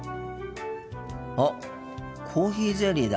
あっコーヒーゼリーだ。